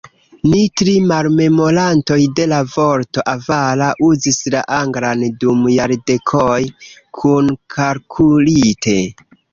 Ni tri malmemorantoj de la vorto "avara" uzis la anglan dum jardekoj, kunkalkulite.